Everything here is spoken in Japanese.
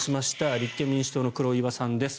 立憲民主党の黒岩さんです。